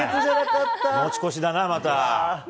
持ち越しだな、また。